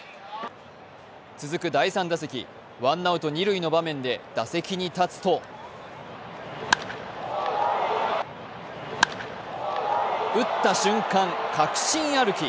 続く第３打席、ワンアウト二塁の場面で打席に立つと打った瞬間、確信歩き。